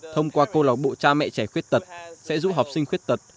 thông qua cô lòng bộ cha mẹ trẻ khuyết tật sẽ giúp học sinh khuyết tật